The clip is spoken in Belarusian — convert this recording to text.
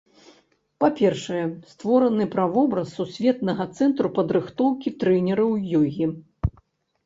Па-першае, створаны правобраз сусветнага цэнтру падрыхтоўкі трэнераў ёгі.